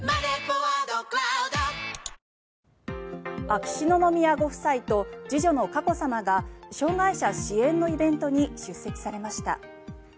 秋篠宮ご夫妻と次女の佳子さまが障害者支援のイベントに出席されました。